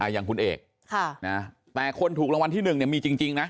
อย่างคุณเอกแต่คนถูกรางวัลที่หนึ่งเนี่ยมีจริงนะ